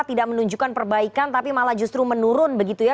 tidak menunjukkan perbaikan tapi malah justru menurun begitu ya